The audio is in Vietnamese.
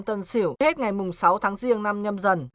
tết ngày sáu tháng riêng năm nhâm dần